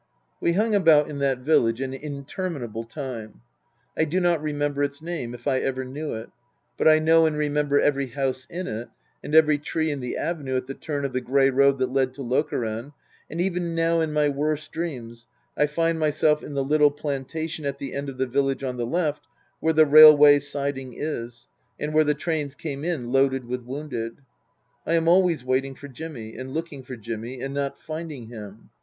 We hung about in that village an interminable time. I do not remember its name, if I ever knew it ; but I know and remember every house in it and every tree in the avenue at the turn of the grey road that led to Lokeren, and even now, in my worst dreams, I find myself in the little plantation at the end of the village on the left where the railway siding is, and where the trains came in loaded with wounded. I am always waiting for Jimmy and looking for Jimmy and not finding him.